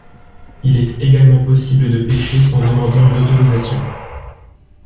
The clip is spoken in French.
Il est également possible de pêcher en demandant une autorisation.